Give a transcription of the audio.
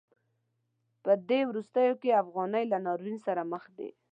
په دې وروستیو کې افغانۍ له ناورین سره مخ ده.